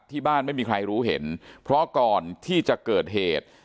ไม่มีใครรู้เห็นเพราะก่อนที่จะเกิดเหตุ